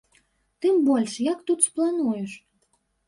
Тым больш, як тут сплануеш?